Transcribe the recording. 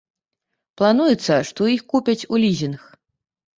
Плануецца, што іх купяць у лізінг.